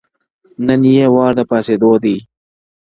نن یې وار د پاڅېدو دی-